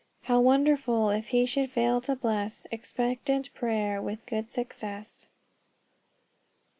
How wonderful if he should fail to bless Expectant prayer with good success!"